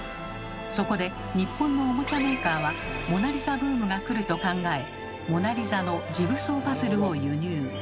そこで日本のおもちゃメーカーは「モナリザ」ブームが来ると考え「モナリザ」のジグソーパズルを輸入。